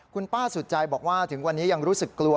คุณป้าสุดใจบอกว่าถึงวันนี้ยังรู้สึกกลัว